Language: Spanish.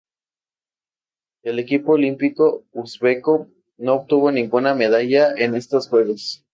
El equipo olímpico uzbeko no obtuvo ninguna medalla en estos Juegos.